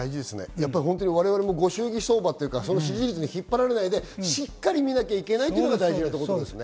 我々もご祝儀相場というか、支持率に引っ張られないでしっかり見なきゃいけないですね。